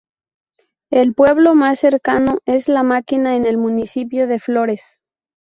El pueblo más cercano es La Máquina, en el municipio de Flores.